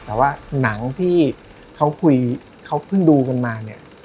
แต่ว่าหนังที่เขาคุยเขาเพิ่งดูกันมาเนี่ย